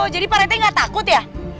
jadi pak rt gak takut ya